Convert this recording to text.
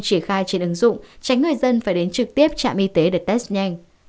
triển khai trên ứng dụng tránh người dân phải đến trực tiếp trạm y tế để test nhanh